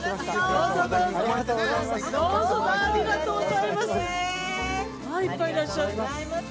◆いっぱいいらっしゃった。